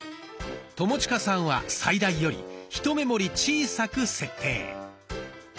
友近さんは最大よりひと目盛り小さく設定。